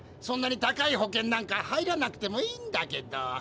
そんなに高い保険なんか入らなくてもいいんだけど。